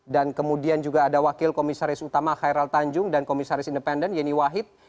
dan kemudian juga ada wakil komisaris utama khairal tanjung dan komisaris independen yeni wahid